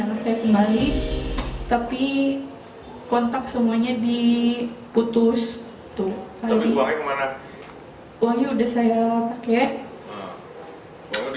anak saya kembali tapi kontak semuanya diputus tuh uangnya udah saya pakai